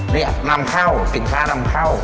นี่นำเข้าสินค้านำเข้า